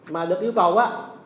mà được yêu cầu á